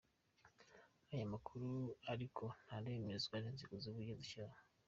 Aya makuru ariko ntaremezwa n’inzego z’Ubugenzacyaha.